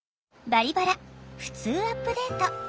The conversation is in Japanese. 「バリバラふつうアップデート」。